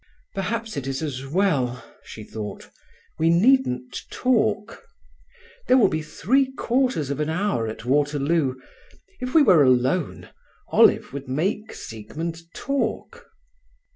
"Perhaps it is as well," she thought. "We needn't talk. There will be three quarters of an hour at Waterloo. If we were alone. Olive would make Siegmund talk."